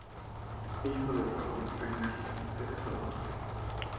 Hijo de Raúl Brenner y Teresa Duarte.